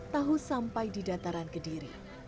tahu sampai di dataran kediri